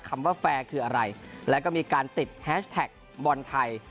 คำว่าแฟร์คืออะไรแล้วก็มีการติดแฮชแท็กบอลไทย